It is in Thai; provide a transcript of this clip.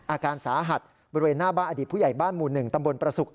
อาการสาหัสบริเวณหน้าบ้านอดีตผู้ใหญ่บ้านหมู่๑ตำบลประสุก